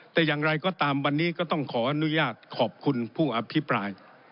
แต่อย่างไรก็ตามวันนี้ก็ต้องขออนุญาตขอบคุณผู้อภิปราย